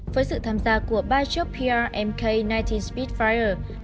với sự tham gia của ba chiếc prmk một mươi chín spitfire